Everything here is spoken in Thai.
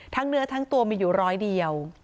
เนื้อทั้งตัวมีอยู่ร้อยเดียว